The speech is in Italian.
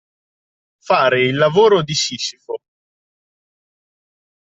Fare il lavoro di Sisifo.